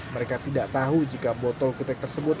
mereka tidak tahu jika botol kutek tersebut